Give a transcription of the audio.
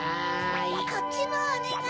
こっちもおねがい！